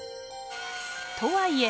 とはいえ